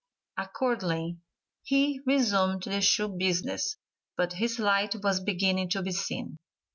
Accordingly he resumed the shoe business, but his light was beginning to be seen.